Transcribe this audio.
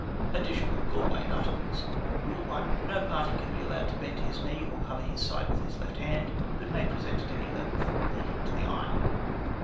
ADDITIONAL GALWAY ARTICLES "Rule 1. No party can be allowed to bend his knee or cover his side with his left hand; but may present at any level from the hip to the eye.